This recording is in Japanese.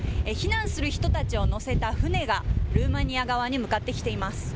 避難する人たちを乗せた船が、ルーマニア側に向かってきています。